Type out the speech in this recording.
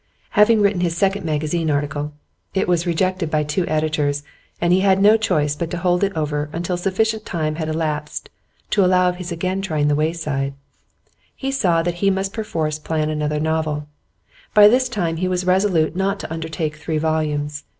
Having written his second magazine article (it was rejected by two editors, and he had no choice but to hold it over until sufficient time had elapsed to allow of his again trying The Wayside), he saw that he must perforce plan another novel. But this time he was resolute not to undertake three volumes.